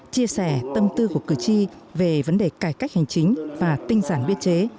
chia sẻ tâm tư của cử tri về vấn đề cải cách hành chính và tinh giản biên chế